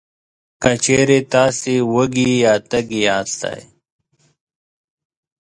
که چېرې تاسې وږي یا تږي یاستی،